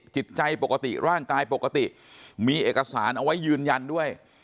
จิตใจปกติร่างกายปกติมีเอกสารเอาไว้ยืนยันด้วย